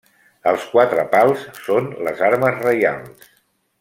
Els quatre pals són les armes reials.